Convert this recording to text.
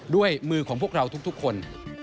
ด้วยมือของพวกเราทุกคน